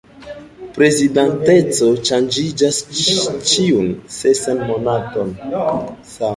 Prezidanteco ŝanĝiĝas ĉiun sesan monaton.